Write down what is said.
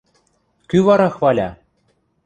– Кӱ вара хваля!